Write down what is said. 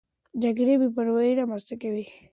جګړه بېباوري رامنځته کوي.